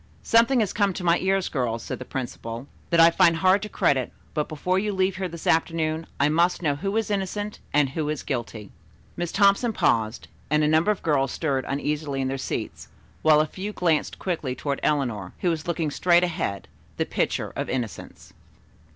"Something has come to my ears, girls," said the principal, "that I find hard to credit, but before you leave here this afternoon I must know who is innocent and who is guilty." Miss Thompson paused and a number of girls stirred uneasily in their seats, while a few glanced quickly toward Eleanor, who was looking straight ahead, the picture of innocence.